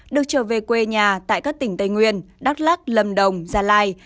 được trở về quê nhà tại các tỉnh tây nguyên đắk lắc lâm đồng gia lai